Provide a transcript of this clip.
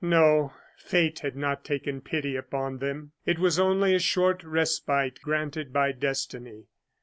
No, fate had not taken pity upon them; it was only a short respite granted by destiny.